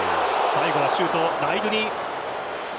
最後はシュートライドゥニ。